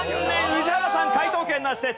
宇治原さん解答権なしです。